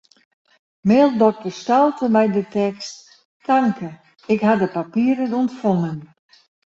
Mail dokter Stouten mei de tekst: Tanke, ik ha de papieren ûntfongen.